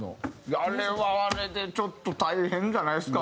あれはあれでちょっと大変じゃないですか？